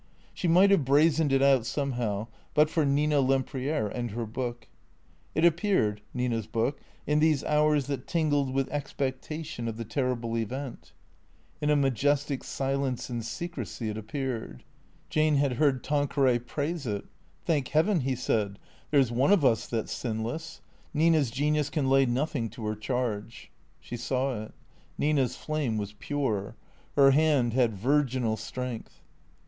She might have brazened it out somehow but for Nina Lem priere and her book. It appeared, Nina's book, in these hours that tingled with expectation of the terrible Event. In a ma jestic silence and secrecy it appeared. Jane had heard Tan queray praise it. " Thank heaven," he said, " there 's one of us that 's sinless. Nina 's genius can lay nothing to her charge." She saw it. Nina's flame was pure. Her hand had virginal strength.